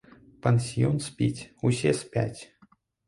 Пансіён спіць, усе спяць.